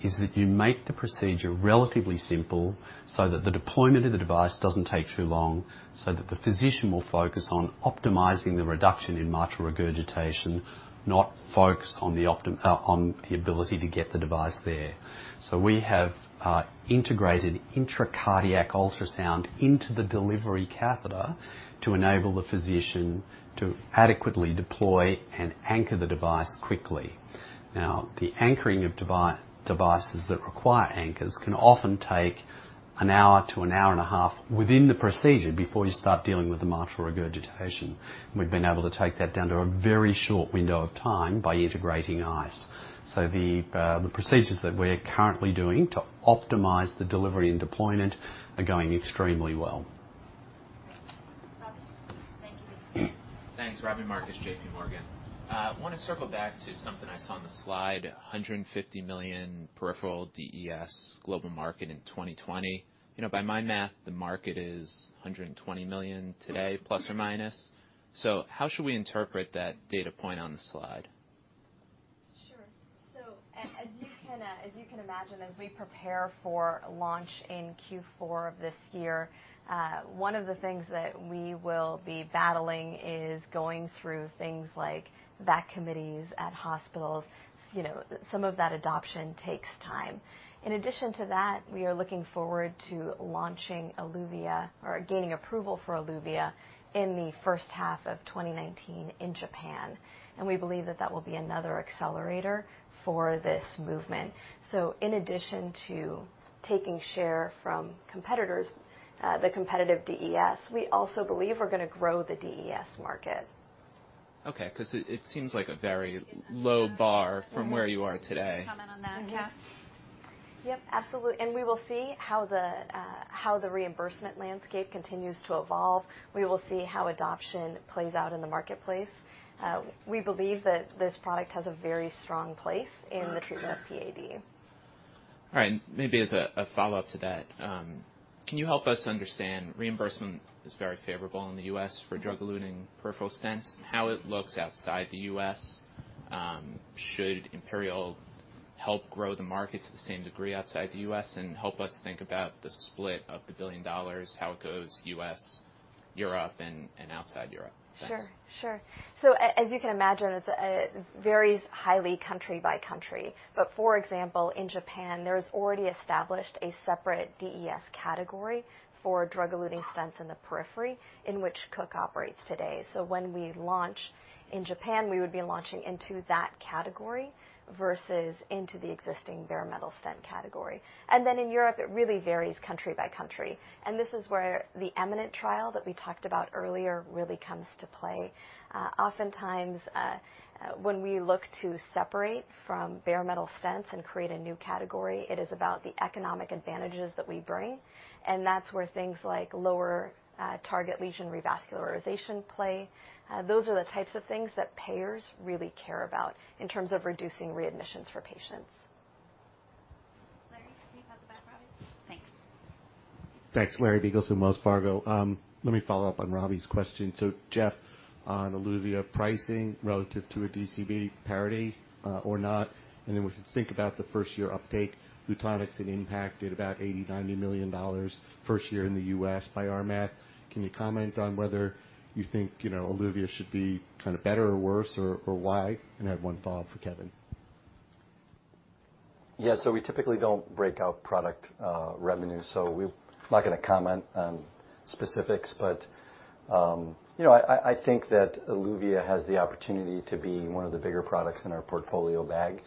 is that you make the procedure relatively simple so that the deployment of the device doesn't take too long, so that the physician will focus on optimizing the reduction in mitral regurgitation, not focused on the ability to get the device there. We have integrated intracardiac ultrasound into the delivery catheter to enable the physician to adequately deploy and anchor the device quickly. Now, the anchoring of devices that require anchors can often take an hour to an hour and a half within the procedure before you start dealing with the mitral regurgitation. We've been able to take that down to a very short window of time by integrating ICE. The procedures that we're currently doing to optimize the delivery and deployment are going extremely well. Robbie. Thank you. Thanks. Robbie Marcus, J.P. Morgan. I want to circle back to something I saw on the slide, $150 million peripheral DES global market in 2020. By my math, the market is $120 million today, plus or minus. How should we interpret that data point on the slide? Sure. As you can imagine, as we prepare for launch in Q4 of this year, one of the things that we will be battling is going through things like VAC committees at hospitals. Some of that adoption takes time. In addition to that, we are looking forward to launching Eluvia or gaining approval for Eluvia in the first half of 2019 in Japan. We believe that that will be another accelerator for this movement. In addition to taking share from competitors, the competitive DES, we also believe we're going to grow the DES market. Okay, because it seems like a very low bar from where you are today. Can you comment on that, Kat? Yep, absolutely. We will see how the reimbursement landscape continues to evolve. We will see how adoption plays out in the marketplace. We believe that this product has a very strong place in the treatment of PAD. All right. Maybe as a follow-up to that, can you help us understand, reimbursement is very favorable in the U.S. for drug-eluting peripheral stents, how it looks outside the U.S.? Should IMPERIAL help grow the market to the same degree outside the U.S. and help us think about the split of the $1 billion, how it goes U.S., Europe, and outside Europe? Sure. As you can imagine, it varies highly country by country. For example, in Japan, there's already established a separate DES category for drug-eluting stents in the periphery in which Cook operates today. When we launch in Japan, we would be launching into that category versus into the existing bare metal stent category. In Europe, it really varies country by country. This is where the EMINENT trial that we talked about earlier really comes to play. Oftentimes, when we look to separate from bare metal stents and create a new category, it is about the economic advantages that we bring, and that's where things like lower target lesion revascularization play. Those are the types of things that payers really care about in terms of reducing readmissions for patients. Larry, can you pass it back to Robbie? Thanks. Thanks. Larry Biegelsen with Wells Fargo. Let me follow up on Robbie's question. Jeff, on Eluvia pricing relative to a DCB parity or not, then we should think about the first-year update. Lutonix had impacted about $80 million, $90 million first year in the U.S., by our math. Can you comment on whether you think Eluvia should be kind of better or worse, or why? I have one follow-up for Kevin. We typically don't break out product revenue. We're not going to comment on specifics, but I think that Eluvia has the opportunity to be one of the bigger products in our portfolio bag.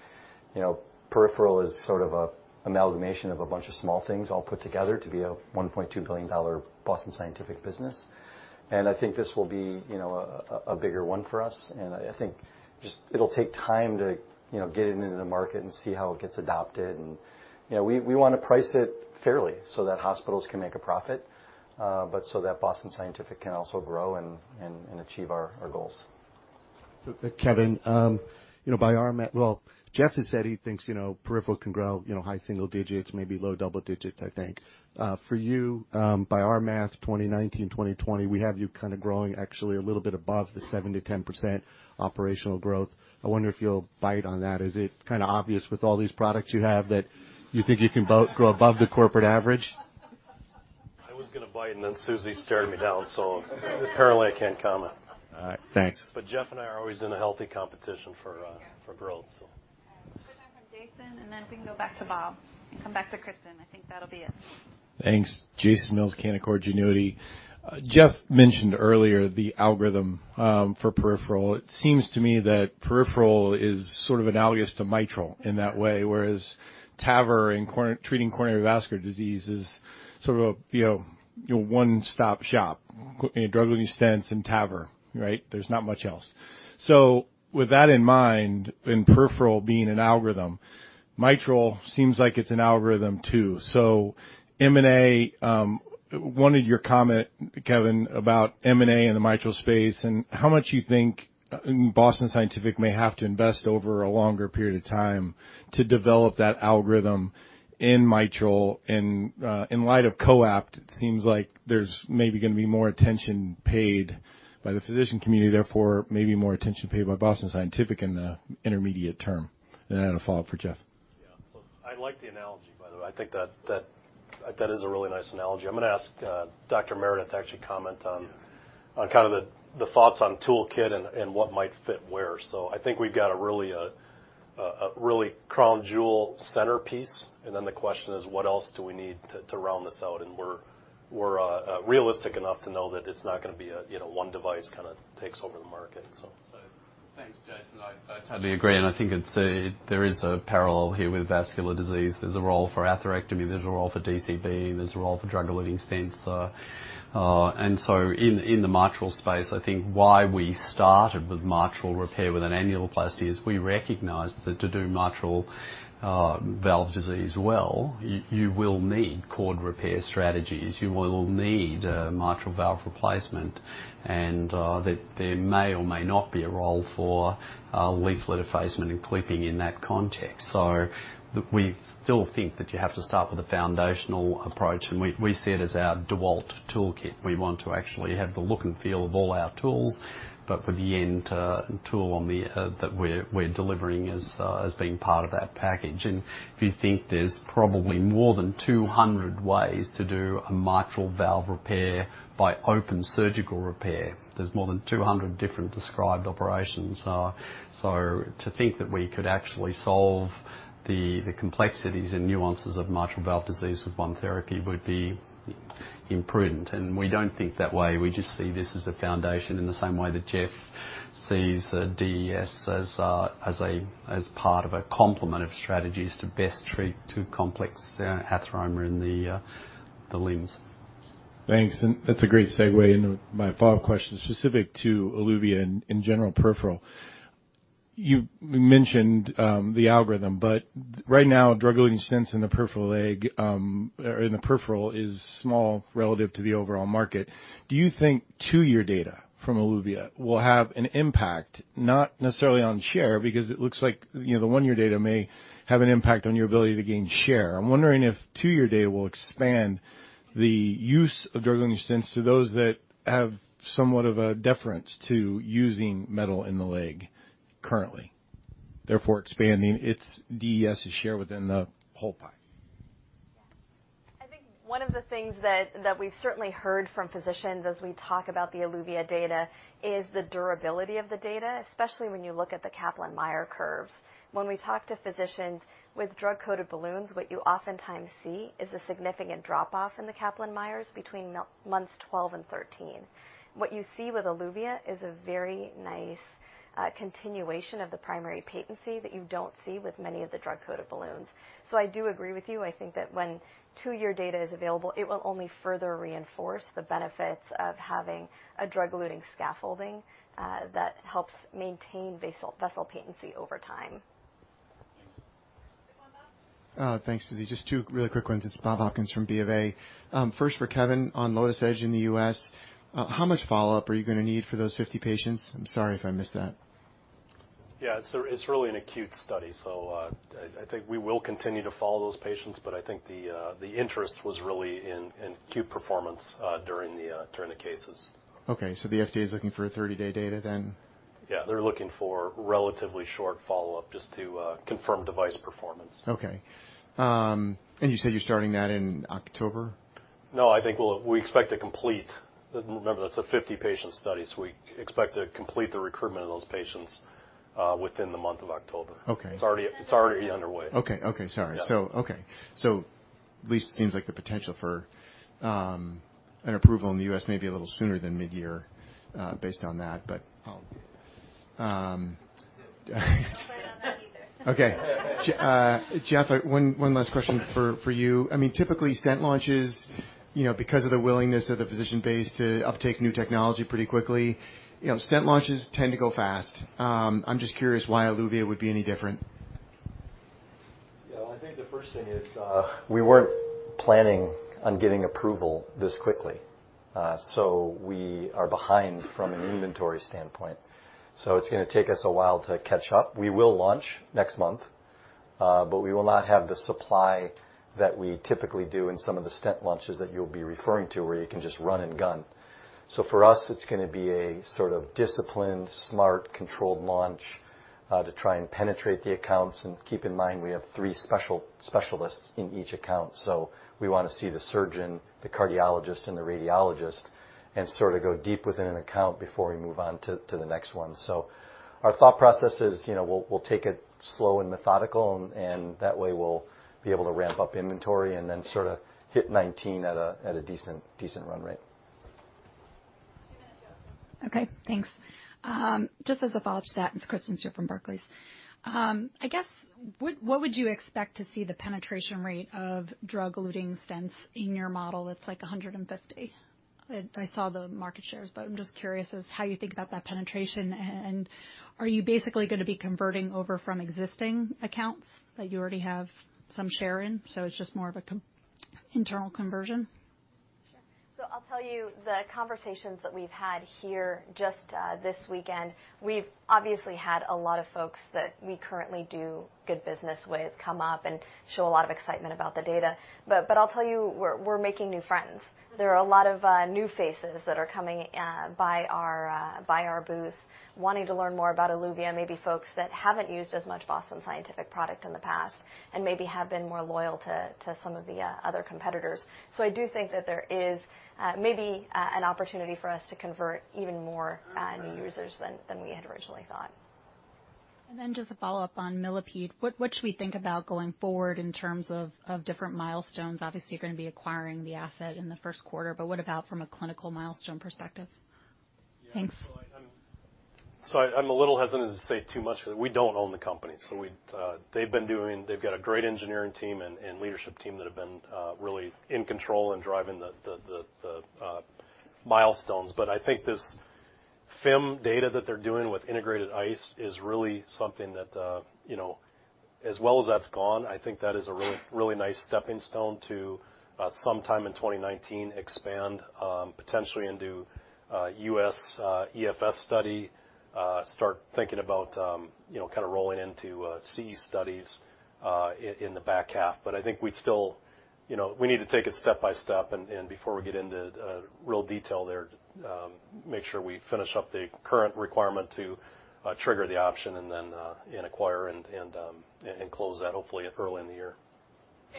Peripheral is sort of an amalgamation of a bunch of small things all put together to be a $1.2 billion Boston Scientific business. I think this will be a bigger one for us, I think it'll take time to get it into the market and see how it gets adopted. We want to price it fairly so that hospitals can make a profit, but so that Boston Scientific can also grow and achieve our goals. Kevin, Jeff has said he thinks peripheral can grow high single digits, maybe low double digits, I think. For you, by our math 2019, 2020, we have you kind of growing actually a little bit above the 7%-10% operational growth. I wonder if you'll bite on that. Is it kind of obvious with all these products you have that you think you can grow above the corporate average? I was going to bite, and then Susie stared me down, so apparently I can't comment. All right, thanks. Jeff and I are always in a healthy competition for growth. We'll go back from Jason, and then we can go back to Bob and come back to Kristen. I think that'll be it. Thanks. Jason Mills, Canaccord Genuity. Jeff mentioned earlier the algorithm for peripheral. It seems to me that peripheral is sort of analogous to mitral in that way, whereas TAVR in treating coronary vascular disease is sort of a one-stop shop, drug-eluting stents and TAVR. There's not much else. With that in mind, in peripheral being an algorithm, mitral seems like it's an algorithm too. M&A, wanted your comment, Kevin, about M&A in the mitral space and how much you think Boston Scientific may have to invest over a longer period of time to develop that algorithm in mitral. In light of COAPT, it seems like there's maybe going to be more attention paid by the physician community, therefore maybe more attention paid by Boston Scientific in the intermediate term. Then I have a follow-up for Jeff. I like the analogy, by the way. I think that is a really nice analogy. I'm going to ask Dr. Meredith to actually comment on kind of the thoughts on toolkit and what might fit where. I think we've got a really crown jewel centerpiece, and then the question is what else do we need to round this out? We're realistic enough to know that it's not going to be a one device kind of takes over the market. Thanks, Jason. I totally agree, I think there is a parallel here with vascular disease. There's a role for atherectomy, there's a role for DCB, and there's a role for drug-eluting stents. In the mitral space, I think why we started with mitral repair with an annuloplasty is we recognized that to do mitral valve disease well, you will need chord repair strategies. You will need a mitral valve replacement, and there may or may not be a role for leaflet defacement and clipping in that context. We still think that you have to start with a foundational approach, and we see it as our DeWalt toolkit. We want to actually have the look and feel of all our tools, but with the end tool that we're delivering as being part of that package. If you think there's probably more than 200 ways to do a mitral valve repair by open surgical repair. There's more than 200 different described operations. To think that we could actually solve the complexities and nuances of mitral valve disease with one therapy would be imprudent, and we don't think that way. We just see this as a foundation in the same way that Jeff sees DES as part of a complement of strategies to best treat too complex atheroma in the limbs. Thanks. That's a great segue into my follow-up question specific to Eluvia and in general, peripheral. You mentioned the algorithm, but right now, drug-eluting stents in the peripheral is small relative to the overall market. Do you think two-year data from Eluvia will have an impact, not necessarily on share, because it looks like the one-year data may have an impact on your ability to gain share? I'm wondering if two-year data will expand the use of drug-eluting stents to those that have somewhat of a deference to using metal in the leg currently, therefore expanding its DES share within the whole pie. Yeah. I think one of the things that we've certainly heard from physicians as we talk about the Eluvia data is the durability of the data, especially when you look at the Kaplan-Meier curves. When we talk to physicians, with drug-coated balloons, what you oftentimes see is a significant drop-off in the Kaplan-Meiers between months 12 and 13. What you see with Eluvia is a very nice continuation of the primary patency that you don't see with many of the drug-coated balloons. I do agree with you. I think that when two-year data is available, it will only further reinforce the benefits of having a drug-eluting scaffolding that helps maintain vessel patency over time. Bob. Thanks, Susie. Just 2 really quick ones. It's Bob Hopkins from Bank of America. First, for Kevin, on Lotus Edge in the U.S., how much follow-up are you going to need for those 50 patients? I'm sorry if I missed that. Yeah. It's really an acute study. I think we will continue to follow those patients, but I think the interest was really in acute performance during the cases. Okay. The FDA is looking for a 30-day data then? Yeah. They're looking for relatively short follow-up just to confirm device performance. Okay. You said you're starting that in October? No, I think we expect to complete Remember, that's a 50-patient study, so we expect to complete the recruitment of those patients within the month of October. Okay. It's already underway. Okay. Sorry. Yeah. Okay. At least seems like the potential for an approval in the U.S. may be a little sooner than mid-year based on that, but I'll Don't bet on that either. Okay. Jeff, one last question for you. Typically, stent launches because of the willingness of the physician base to uptake new technology pretty quickly, stent launches tend to go fast. I'm just curious why Eluvia would be any different. Yeah. I think the first thing is we weren't planning on getting approval this quickly. We are behind from an inventory standpoint. It's going to take us a while to catch up. We will launch next month, but we will not have the supply that we typically do in some of the stent launches that you'll be referring to where you can just run and gun. For us, it's going to be a sort of disciplined, smart, controlled launch, to try and penetrate the accounts. Keep in mind, we have three specialists in each account. We want to see the surgeon, the cardiologist, and the radiologist, and sort of go deep within an account before we move on to the next one. Our thought process is we'll take it slow and methodical, and that way, we'll be able to ramp up inventory and then sort of hit 2019 at a decent run rate. Okay, thanks. Just as a follow-up to that, it's Kristen Stewart from Barclays. I guess, what would you expect to see the penetration rate of drug-eluting stents in your model that's like 150? I saw the market shares, but I'm just curious as how you think about that penetration, and are you basically going to be converting over from existing accounts that you already have some share in, so it's just more of an internal conversion? Sure. I'll tell you the conversations that we've had here just this weekend. We've obviously had a lot of folks that we currently do good business with come up and show a lot of excitement about the data. I'll tell you, we're making new friends. There are a lot of new faces that are coming by our booth wanting to learn more about Eluvia, maybe folks that haven't used as much Boston Scientific product in the past and maybe have been more loyal to some of the other competitors. I do think that there is maybe an opportunity for us to convert even more new users than we had originally thought. Just a follow-up on Millipede. What should we think about going forward in terms of different milestones? Obviously, you're going to be acquiring the asset in the first quarter, what about from a clinical milestone perspective? Thanks. Yeah. I'm a little hesitant to say too much because we don't own the company. They've got a great engineering team and leadership team that have been really in control and driving the milestones. I think this FIM data that they're doing with integrated ICE is really something that as well as that's gone, I think that is a really nice stepping stone to sometime in 2019 expand potentially into a U.S. EFS study, start thinking about kind of rolling into CE studies in the back half. I think we need to take it step by step, and before we get into real detail there, make sure we finish up the current requirement to trigger the option and acquire and close that hopefully early in the year.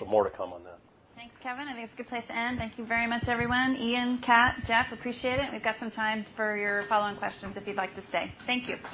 More to come on that. Thanks, Kevin. I think it's a good place to end. Thank you very much, everyone. Ian, Kat, Jeff, appreciate it. We've got some time for your follow-on questions if you'd like to stay. Thank you.